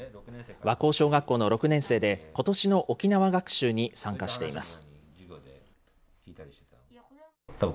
和光小学校の６年生で、ことしの沖縄学習に参加しています。